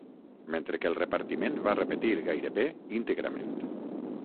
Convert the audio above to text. Mentre que el repartiment va repetir gairebé íntegrament.